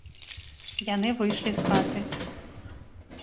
Яны выйшлі з хаты.